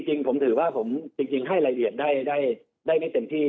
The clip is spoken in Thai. จริงผมถือว่าผมจริงให้รายละเอียดได้ไม่เต็มที่